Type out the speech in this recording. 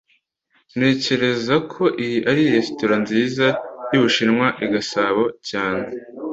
Ntekereza ko iyi ari resitora nziza yubushinwa i Gasabo cyane